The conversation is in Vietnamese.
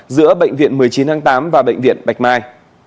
giữa bệnh viện một mươi chín tháng tám và bệnh viện bạch mai